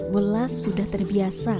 welas sudah terbiasa